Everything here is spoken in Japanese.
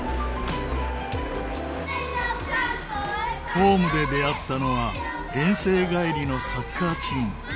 ホームで出会ったのは遠征帰りのサッカーチーム。